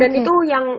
dan itu yang